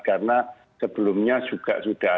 karena sebelumnya sudah